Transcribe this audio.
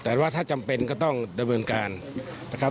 แต่ว่าถ้าจำเป็นก็ต้องดำเนินการนะครับ